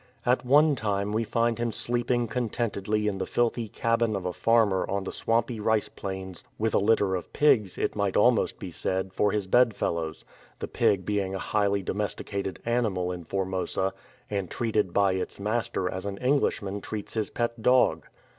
At one time we find him sleeping contentedly in the filthy cabin of a farmer on the swampy rice plains with a litter of pigs, it might almost be said, for his bed fellows, the pig being a highly domesticated animal in Formosa, and treated by its master as an Englishman treats his pet dog.